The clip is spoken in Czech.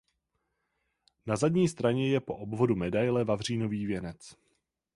Na zadní straně je po obvodu medaile vavřínový věnec.